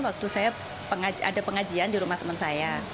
waktu saya ada pengajian di rumah teman saya